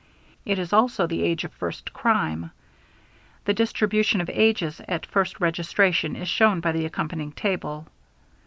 It is also the age of first crime. The distribution of ages at first registration is shown by the accompanying table.